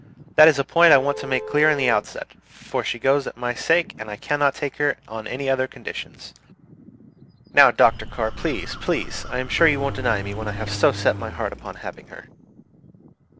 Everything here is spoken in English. That is a point I want to make clear in the outset; for she goes for my sake, and I cannot take her on any other conditions. Now, Dr. Carr, please, please! I am sure you won't deny me, when I have so set my heart upon having her."